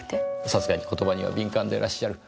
さすがに言葉には敏感でいらっしゃる。